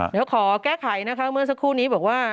เดี๋ยวขอแก้ไขนะคะเมื่อสักครู่นี้บอกว่า